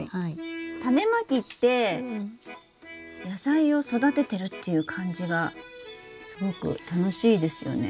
タネまきって野菜を育ててるっていう感じがすごく楽しいですよね。